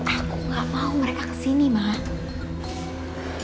aku gak mau mereka kesini mah